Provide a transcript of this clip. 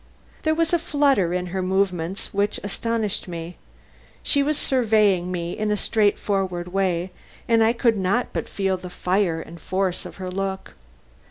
There was a flutter in her movements which astonished me. She was surveying me in a straightforward way, and I could not but feel the fire and force of her look.